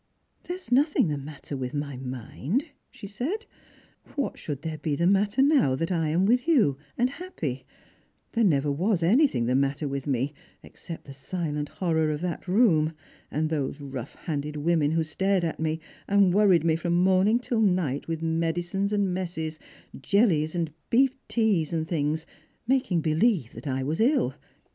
"There is nothing the matter with my mind," she said "What should there be the matter now that I am with you, and happy P There never was anything the matter with me except the silent hon or of that room, and those rough handed women who stared at me, and worried me from morning till night with medicines and messes, jelhes and beafteas and things, making believe that I was ill.